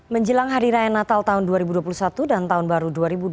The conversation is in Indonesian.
menjelang hari raya natal tahun dua ribu dua puluh satu dan tahun baru dua ribu dua puluh